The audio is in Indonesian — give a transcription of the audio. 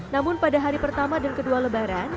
namun pada hari pertama dan kedua lebaran